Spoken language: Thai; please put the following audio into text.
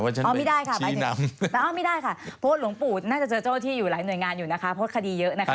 เอาไม่ได้ค่ะโพธหลวงปู่น่าจะเจอเจ้าที่อยู่หลายหน่วยงานอยู่นะคะโพธคดีเยอะนะคะ